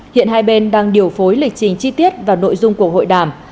hiện hai bên đang điều phối lịch trình chi tiết và nội dung của hội đàm